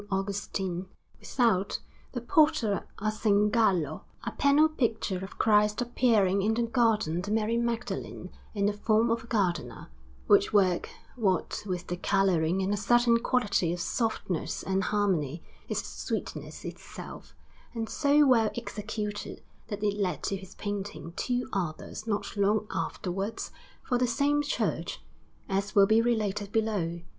Augustine, without the Porta a S. Gallo, a panel picture of Christ appearing in the garden to Mary Magdalene in the form of a gardener; which work, what with the colouring and a certain quality of softness and harmony, is sweetness itself, and so well executed, that it led to his painting two others not long afterwards for the same church, as will be related below.